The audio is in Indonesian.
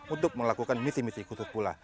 untuk melakukan misi misi khusus pula